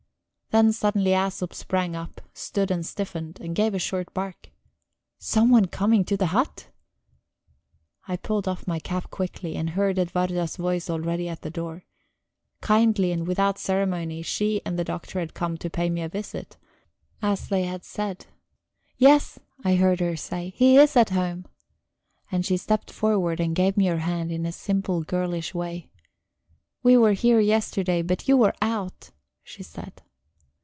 Then suddenly Æsop sprang up, stood and stiffened, and gave a short bark. Someone coming to the hut! I pulled off my cap quickly, and heard Edwarda's voice already at the door. Kindly and without ceremony she and the Doctor had come to pay me a visit, as they had said. "Yes," I heard her say, "he is at home." And she stepped forward, and gave me her hand in her simple girlish way. "We were here yesterday, but you were out," she said.